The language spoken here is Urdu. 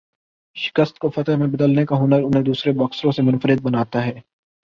شکست کو فتح میں بدلنے کا ہنر انہیں دوسرے باکسروں سے منفرد بناتا ہے۔